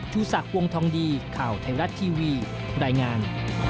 ชูศักดิ์วงทองดีข่าวไทยรัฐทีวีรายงาน